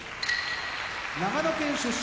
長野県出身